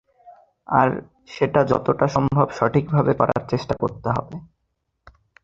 আর সেটা যতটা সম্ভব সঠিকভাবে করার চেষ্টা করতে হবে।